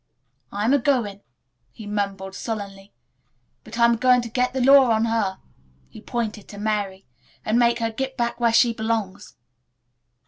"I'm a goin'," he mumbled sullenly, "but I'm a goin' to git the law on her," he pointed to Mary, "and make her git back where she belongs."